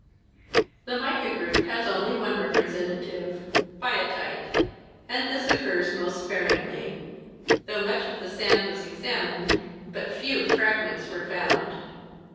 The mica group has only one rej)resentative, biotite, and this occurs most sparingly. Though much of the sand was examined, but few frag ments were found.